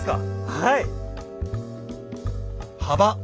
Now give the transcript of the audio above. はい。